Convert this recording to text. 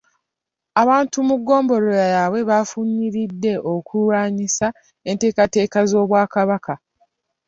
Abantu mu ggombolola yaabwe abeefunyiridde okulwanyisa enteekateeka z’Obwakabaka.